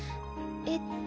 えっと。